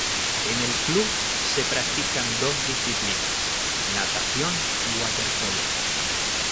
En el club se practican dos disciplinas: natación y waterpolo.